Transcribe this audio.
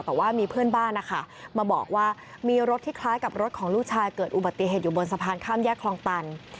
แต่ว่ามีเพื่อนบ้านนะคะมาบอกว่ามีรถที่คล้ายกับรถของลูกชายเกิดอุบัติเหตุอยู่บนสะพานข้ามแยกคลองตัน